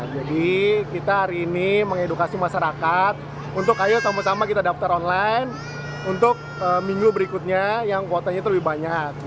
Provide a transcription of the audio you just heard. jadi kita hari ini mengedukasi masyarakat untuk ayo sama sama kita daftar online untuk minggu berikutnya yang kuotanya terlalu banyak